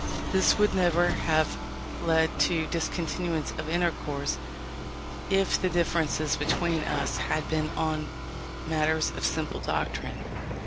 This would never have led to discontinuance of intercourse, if the differences between us had been on matters of simple doctrine.